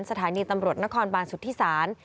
สถานีตำรวจนครบานสุธิศาล